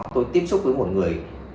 tôi tiếp xúc với một người